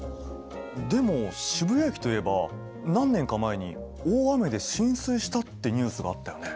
でも渋谷駅といえば何年か前に大雨で浸水したってニュースがあったよね？